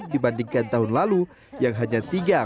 dan tahun lalu yang hanya tiga empat puluh